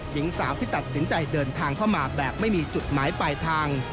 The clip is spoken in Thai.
หญิงสาวที่ตัดสินใจเดินทางเข้ามาแบบไม่มีจุดหมายปลายทาง